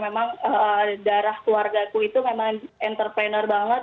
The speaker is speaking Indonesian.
memang darah keluarga aku itu memang entrepreneur banget